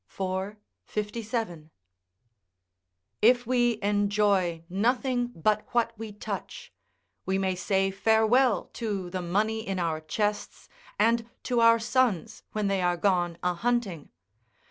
4, 57.] If we enjoy nothing but what we touch, we may say farewell to the money in our chests, and to our sons when they are gone a hunting.